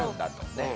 ねっ。